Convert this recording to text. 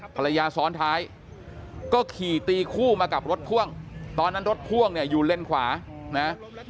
ภรรยาซ้อนท้ายก็ขี่ตีคู่มากับรถพ่วงตอนนั้นรถพ่วงเนี่ยอยู่เลนขวานะ